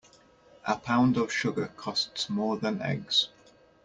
A pound of sugar costs more than eggs.